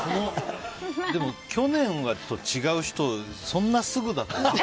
でも去年と違う人をそんなすぐ。